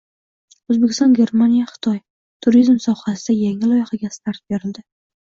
O‘zbekiston-Germaniya-Xitoy: turizm sohasidagi yangi loyihaga start berildi